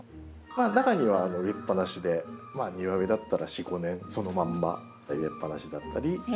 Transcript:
中には植えっぱなしで庭植えだったら４５年そのまんま植えっぱなしだったりする花がありますので。